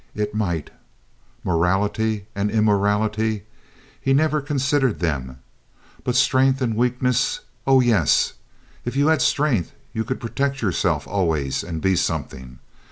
It might. Morality and immorality? He never considered them. But strength and weakness—oh, yes! If you had strength you could protect yourself always and be something.